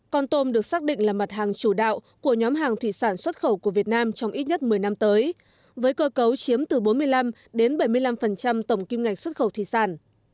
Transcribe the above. con tôm được xác định là mặt hàng chủ đạo của nhóm hàng thủy sản xuất khẩu của việt nam trong ít nhất một mươi năm tới với cơ cấu chiếm từ bốn mươi năm đến bảy mươi năm tổng kim ngạch xuất khẩu thủy sản